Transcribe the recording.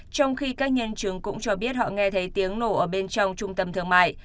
trong khi các nhân chứng cũng cho biết họ nghe thấy tiếng nổ ở bên trong trung tâm thương mại